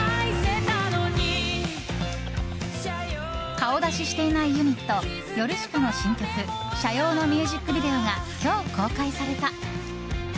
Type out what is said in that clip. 顔出ししていないユニットヨルシカの新曲「斜陽」のミュージックビデオが今日、公開された。